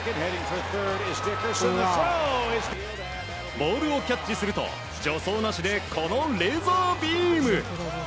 ボールをキャッチすると助走なしでこのレーザービーム！